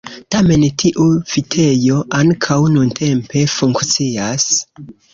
Tamen tiu vitejo ankaŭ nuntempe funkcias.